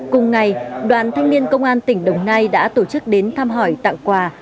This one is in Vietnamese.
cùng ngày đoàn thanh niên công an tỉnh đồng nai đã tổ chức đến thăm hỏi tặng quà